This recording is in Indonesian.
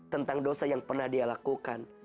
tentang dosa yang pernah dia lakukan